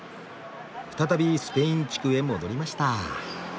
再びスペイン地区へ戻りました。